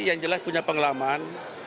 yang jelas punya pengalaman